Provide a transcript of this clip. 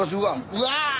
うわ！